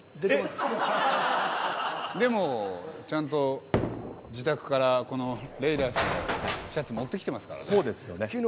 でもちゃんと自宅からこのレイダースのシャツ持ってきてますからね。